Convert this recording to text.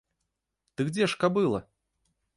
Дык дзе ж кабыла?